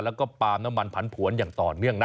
แล้วก็ปาล์มน้ำมันผันผวนอย่างต่อเนื่องนะ